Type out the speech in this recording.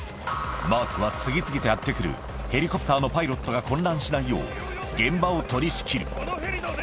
マークは次々とやって来るヘリコプターのパイロットが混乱しないよう、現場を取り仕切る。